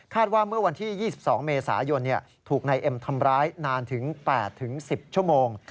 ว่าเมื่อวันที่๒๒เมษายนถูกนายเอ็มทำร้ายนานถึง๘๑๐ชั่วโมง